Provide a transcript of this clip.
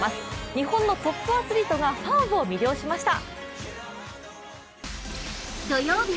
日本のトップアスリートがファンを魅了しました。